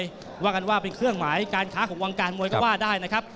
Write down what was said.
ว่ากันว่าเป็นเครื่องหมายการค้าของวงการมวยก็ว่าได้นะครับ